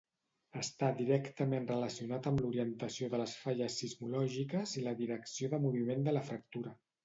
Està directament relacionat amb l'orientació de les falles sismològiques i la direcció de moviment de la fractura.